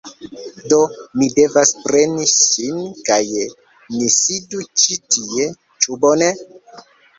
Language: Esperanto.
Do mi devas preni ŝin kaj ni sidu ĉi tie. Ĉu bone?